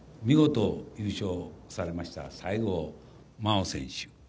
見事優勝されました西郷真央選手。